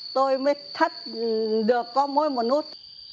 tôi mới thắt được có mỗi một nút